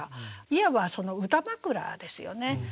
いわば歌枕ですよね。